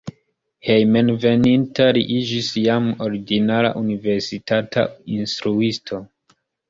Hejmenveninta li iĝis jam ordinara universitata instruisto.